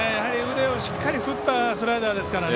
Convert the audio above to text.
腕をしっかり振ったスライダーですからね。